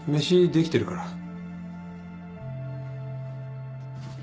飯できてるから。